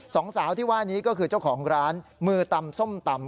สองสาวที่ว่านี้ก็คือเจ้าของร้านมือตำส้มตำ